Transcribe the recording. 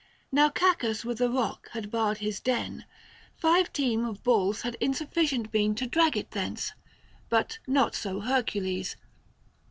Now Cacus with a rock had barred his den ; Five team of bulls had insufficient been Book I. THE FASTL 23 To drag it thence ; but not so Hercules.